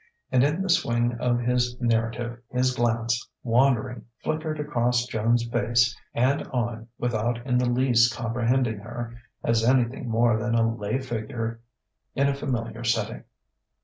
And in the swing of his narrative his glance, wandering, flickered across Joan's face and on without in the least comprehending her as anything more than a lay figure in a familiar setting.